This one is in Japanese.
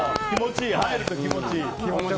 入ると気持ちいい！